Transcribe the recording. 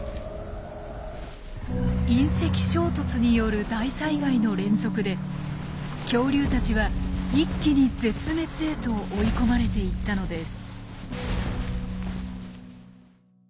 隕石衝突による大災害の連続で恐竜たちは一気に絶滅へと追い込まれていったのです。